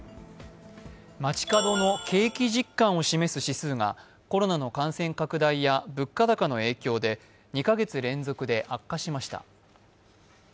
街角の景気実感を示す指数がコロナの感染拡大や物価高の影響で２カ月連続で悪化しました。